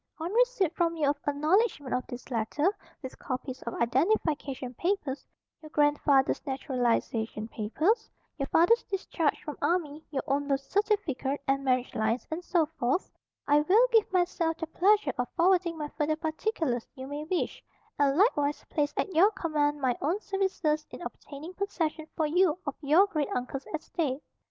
On receipt from you of acknowledgment of this letter, with copies of identification papers (your grandfather's naturalization papers, your father's discharge from army, your own birth certificate and marriage lines, and so forth) I will give myself the pleasure of forwarding any further particulars you may wish, and likewise place at your command my own services in obtaining possession for you of your great uncle's estate.